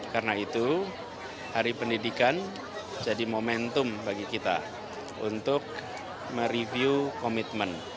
karena itu hari pendidikan jadi momentum bagi kita untuk mereview komitmen